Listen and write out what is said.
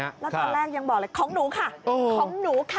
แล้วตอนแรกยังบอกเลยของหนูค่ะของหนูค่ะ